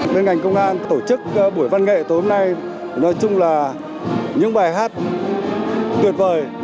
bên ngành công an tổ chức buổi văn nghệ tối hôm nay nói chung là những bài hát tuyệt vời